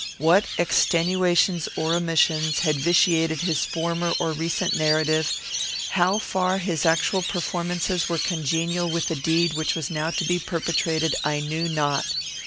What extenuations or omissions had vitiated his former or recent narrative; how far his actual performances were congenial with the deed which was now to be perpetrated, I knew not.